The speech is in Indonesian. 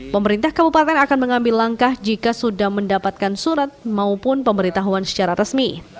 pemerintah kabupaten akan mengambil langkah jika sudah mendapatkan surat maupun pemberitahuan secara resmi